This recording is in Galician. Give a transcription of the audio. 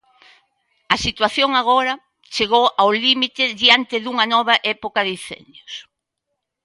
A situación agora chegou ao límite diante dunha nova época de incendios.